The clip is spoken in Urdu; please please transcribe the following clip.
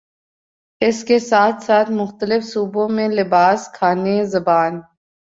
اس کے ساتھ ساتھ مختلف صوبوں میں لباس، کھانے، زبان